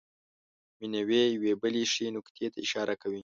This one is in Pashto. مینوي یوې بلې ښې نکتې ته اشاره کوي.